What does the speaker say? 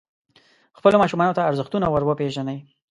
خپلو ماشومانو ته ارزښتونه وروپېژنئ.